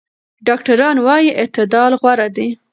ډاکټران وايي اعتدال غوره دی.